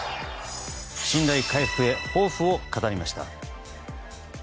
信頼回復へ抱負を語りました。